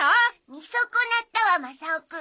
見損なったわマサオくん。